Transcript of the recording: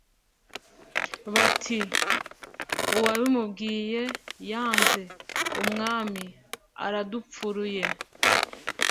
bati: "Uwabimubwiye Yanze Umwami, aradupfuruye,